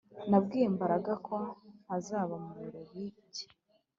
Nabwiye Mbaraga ko ntazaba mu birori bye